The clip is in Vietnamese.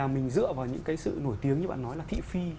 mình dựa vào những cái sự nổi tiếng như bạn nói là thị phi